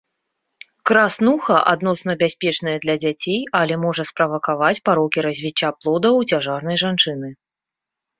Краснуха адносна бяспечная для дзяцей, але можа справакаваць парокі развіцця плода ў цяжарнай жанчыны.